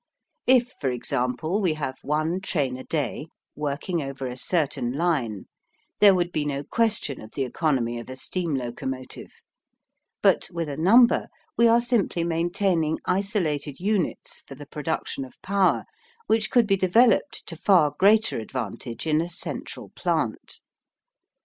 If for example, we have one train a day working over a certain line, there would be no question of the economy of a steam locomotive, but with a number, we are simply maintaining isolated units for the production of power which could be developed to far greater advantage in a central plant.